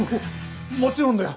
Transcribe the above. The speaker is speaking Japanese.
もちろんだよ